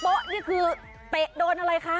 นี่คือเตะโดนอะไรคะ